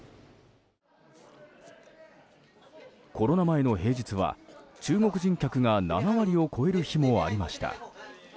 コロナ前の平日は中国人客が７割を超える日もありました。